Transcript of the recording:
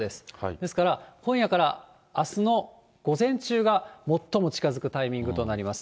ですから今夜からあすの午前中が最も近づくタイミングとなります。